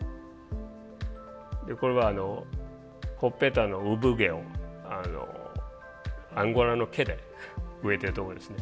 これはほっぺたの産毛をアンゴラの毛で植えてるとこですね。